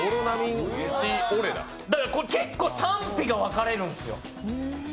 だから結構賛否が分かれるんですよ。